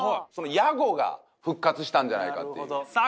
ヤゴが復活したんじゃないかっていうさあ